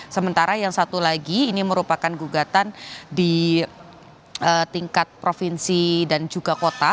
sementara yang satu lagi ini merupakan gugatan di tingkat provinsi dan juga kota